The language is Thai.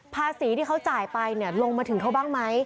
ภาษีที่เขาจ่ายไปลงมาถึงเขาบ้างไหม